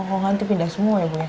oh nanti pindah semua ya bu